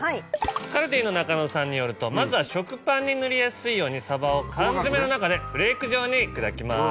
カルディの中野さんによるとまずは食パンに塗りやすいようにさばを缶詰の中でフレーク状に砕きます。